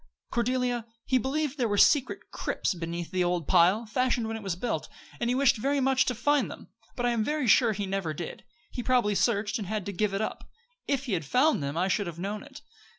"Cordelia, he believed there were secret crypts beneath the old pile, fashioned when it was built, and he wished very much to find them; but I am very sure he never did it. He probably searched, and had to give it up. If he had found them I should have known it.